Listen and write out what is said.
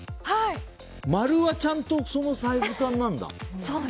丸はちゃんとそのサイズ感なんだ。